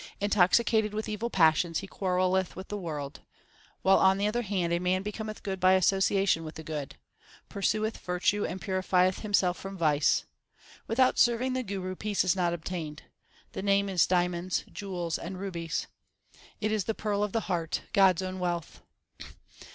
Intoxicated with evil passions, he quarrelleth with the world ; While on the other hand a man becometh good by association with the good, Pursueth virtue and purifieth himself from vice. Without serving the Guru peace is not obtained. The Name is diamonds, jewels, and rubies ; It is the pearl of the heart, God s own wealth.